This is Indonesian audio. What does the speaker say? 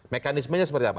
mekanismenya seperti apa